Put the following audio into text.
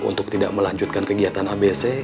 untuk tidak melanjutkan kegiatan abc